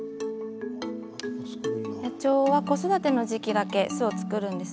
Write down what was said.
野鳥は子育ての時期だけ巣を作ります。